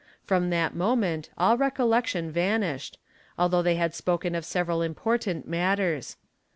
From that moment ll recollection vanished, although they had spoken of several important "Matters.